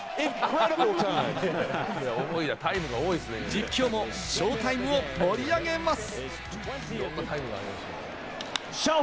実況もショータイムを盛り上げます。